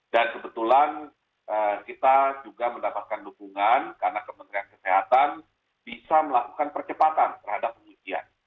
dan sebetulan kita juga mendapatkan dukungan karena kementerian kesehatan bisa melakukan percepatan terhadap pengujian